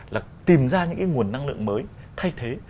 là tìm ra những cái nguồn năng lượng mới thay thế